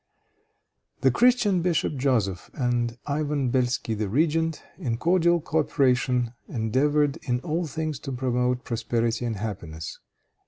The Christian bishop, Joseph, and Ivan Belsky, the regent, in cordial coöperation, endeavored in all things to promote prosperity and happiness.